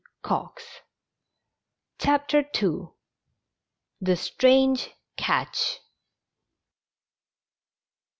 o : CHAPTER II THE STRANGE CATCH.